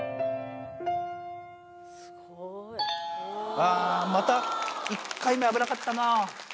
あー、また１回目、危なかったな。